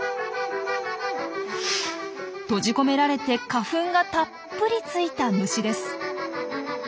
閉じ込められて花粉がたっぷりついた虫です。